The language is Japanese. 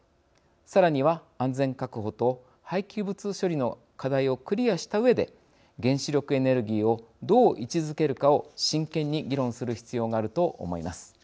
さらには、安全確保と廃棄物処理の課題をクリアしたうえで原子力エネルギーをどう位置づけるかを真剣に議論する必要があると思います。